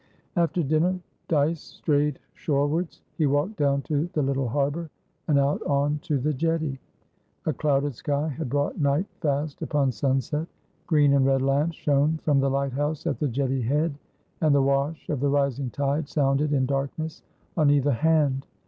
After dinner, Dyce strayed shorewards. He walked down to the little harbour, and out on to the jetty. A clouded sky had brought night fast upon sunset; green and red lamps shone from the lighthouse at the jetty head, and the wash of the rising tide sounded in darkness on either hand.